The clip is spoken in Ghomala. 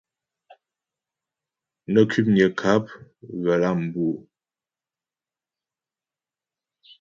Nə kwəpnyə ŋkáp ghə̀ lǎ bǔ ?